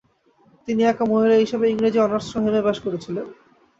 তিনি একা মহিলা হিসেবে ইংরেজি অনার্স সহ এম.এ পাশ করেছিলেন।